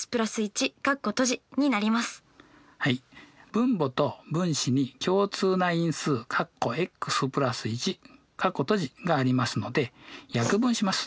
分母と分子に共通な因数がありますので約分します。